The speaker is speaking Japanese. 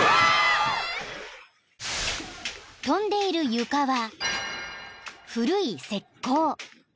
［跳んでいる床は古い石こう］